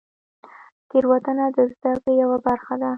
تېروتنه د زدهکړې یوه برخه ده.